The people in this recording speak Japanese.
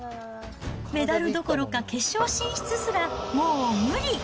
メダルどころか決勝進出すらもう無理。